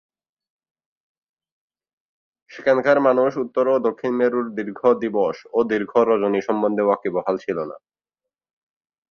সেখানকার মানুষ উত্তর ও দক্ষিণ মেরুর এই দীর্ঘ দিবস ও দীর্ঘ রজনী সম্বন্ধে ওয়াকিবহাল ছিল না।